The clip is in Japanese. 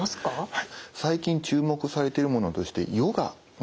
はい。